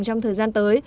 trong thời gian tới